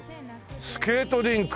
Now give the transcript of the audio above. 「スケートリンク」